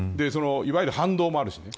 いわゆる反動もあるしね。